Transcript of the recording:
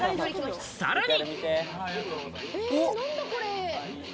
さらに。